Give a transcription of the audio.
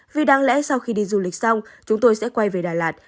vì đáng lẽ sau khi đi du lịch xong chúng tôi sẽ quay về đài lạt